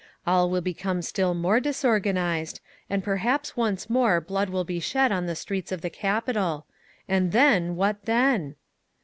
All will become still more disorganised, and perhaps once more blood will be shed on the streets of the capital. And then what then?